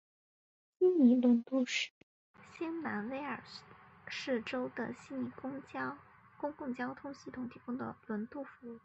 悉尼轮渡是新南威尔士州的悉尼公共交通系统提供的轮渡服务。